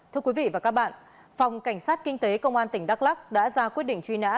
thưa quý vị và các bạn phòng cảnh sát kinh tế công an tỉnh đắk lắc đã ra quyết định truy nã